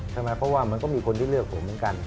ใช่ไหมเพราะว่ามันก็มีคนที่เลือกผมเหมือนกัน